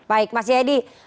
baik mas yedi